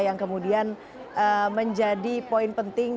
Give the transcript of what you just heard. yang kemudian menjadi poin penting